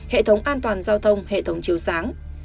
hệ thống an toàn giao thông hệ thống chiếu sáng